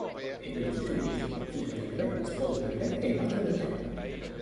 Ebbe i titoli di "Figlia del re, Sposa del re" e "Madre del re".